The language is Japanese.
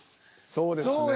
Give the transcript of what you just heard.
そうですね。